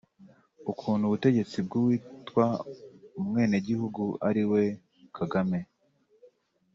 ukuntu ubutegetsi bw’uwitwa umwenegihugu ariwe Kagame